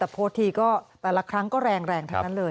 แต่โพสต์ทีก็แต่ละครั้งก็แรงแรงทั้งนั้นเลย